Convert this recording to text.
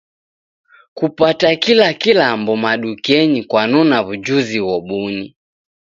Kupata kila kilambo madukenyi kwanona w'ujuzi ghobuni